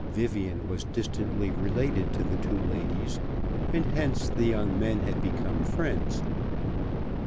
Vivian was distantly related to the two ladies, and hence the young men had become friends.